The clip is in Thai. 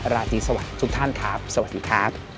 ราตรีสวัสดีทุกท่านครับสวัสดีครับ